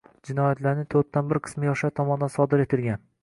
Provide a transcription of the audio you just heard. Jinoyatlarning to‘rtdan bir qismi yoshlar tomonidan sodir etilganng